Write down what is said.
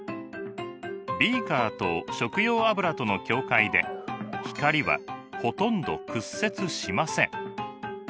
ビーカーと食用油との境界で光はほとんど屈折しません。